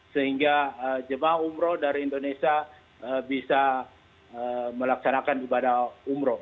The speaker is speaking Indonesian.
sehingga jemaah umroh dari indonesia bisa melaksanakan ibadah umroh